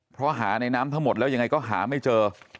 เพราะหาในน้ำทั้งหมดแล้วยังไงก็หาไม่เจอ